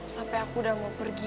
sampai aku udah mau pergi